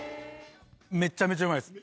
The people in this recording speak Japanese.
めちゃめちゃうまいです。